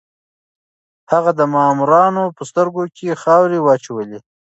هغه د مامورانو په سترګو کې خاورې واچولې.